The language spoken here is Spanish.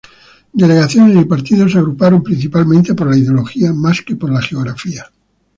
Delegaciones y partidos se agruparon principalmente por la ideología, más que por la geografía.